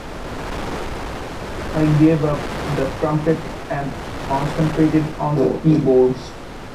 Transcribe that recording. I gave up the trumpet and concentrated on the keyboards.